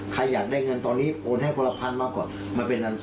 ใครอยากมีเงินตอนนี้โอนให้ผลภัณฑ์มาก่อน